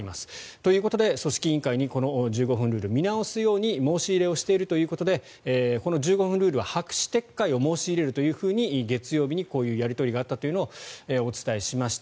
ということで組織委員会に１５分ルールを見直すように申し入れをしているということでこの１５分ルールは白紙撤回を申し入れるというふうに月曜日にやり取りがあったというのをお伝えしました。